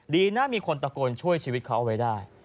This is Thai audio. ดีนะมีคนตะโกนช่วยชีวิตเขาเอาไว้ได้